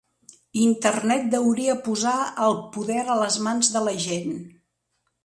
Internet deuria posar el poder a les mans de la gent